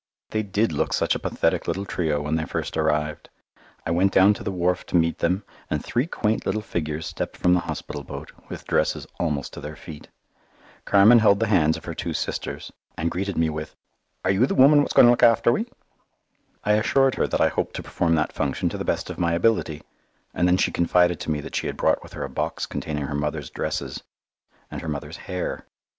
They did look such a pathetic little trio when they first arrived. I went down to the wharf to meet them, and three quaint little figures stepped from the hospital boat, with dresses almost to their feet. Carmen held the hands of her two sisters, and greeted me with "Are you the woman wot's going to look after we?" I assured her that I hoped to perform that function to the best of my ability, and then she confided to me that she had brought with her a box containing her mother's dresses and her mother's hair.